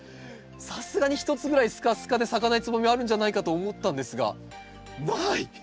さすがに一つぐらいスカスカで咲かないつぼみあるんじゃないかと思ったんですがない。